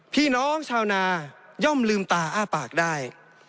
พี่น้องชาวนาย่อมลืมตาอ้าปากได้